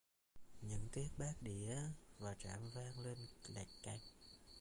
Những tiếng bát đĩa và trạm vang lên lạch cạch